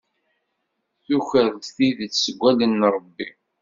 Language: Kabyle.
Tuker-d tidet seg wallen n Ṛebbi.